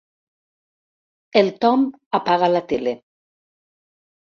El Tom apaga la tele.